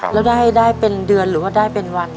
แล้วได้เป็นเดือนหรือว่าได้เป็นวัน